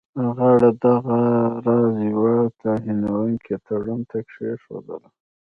غاړه دغه راز یوه توهینونکي تړون ته کښېښودله.